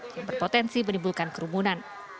yang berpotensi menimbulkan kerumunan